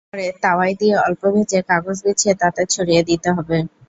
পরে তাওয়ায় দিয়ে অল্প ভেজে কাগজ বিছিয়ে তাতে ছড়িয়ে দিতে হবে।